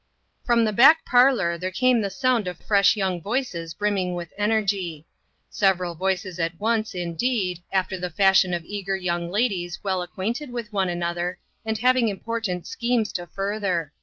FROM the back parlor there came the sound of fresh young voices brimming with energy. Several voices at once, indeed, after the fashion of eager young ladies well acquainted with one another, and having important schemes to further.